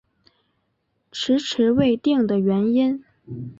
迟迟未定的原因